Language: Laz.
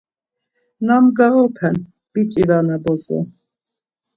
Nam gaoropen, biç̌i vana bozo?